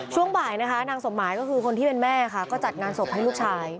ช่วงบ่ายนะคะนางสมหมายก็คือคนที่เป็นแม่ค่ะก็จัดงานศพให้ลูกชาย